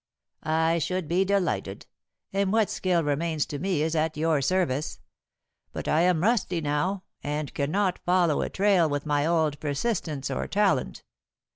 "I should be delighted, and what skill remains to me is at your service. But I am rusty now, and cannot follow a trail with my old persistence or talent.